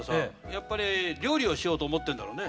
やっぱり料理をしようと思ってんだろうね。